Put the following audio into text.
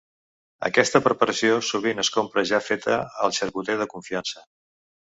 Aquesta preparació sovint es compra ja feta al xarcuter de confiança.